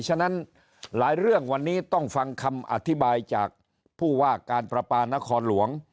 ฉะนั้นหลายเรื่องวันนี้ต้องฟังคำอธิบายจากผู้ว่าการประปานครหลวง